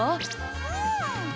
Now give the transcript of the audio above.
うん！